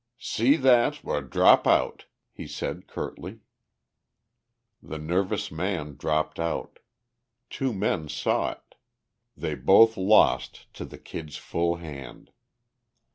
"See that or drop out," he said curtly. The nervous man dropped out. Two men saw it. They both lost to the Kid's full hand.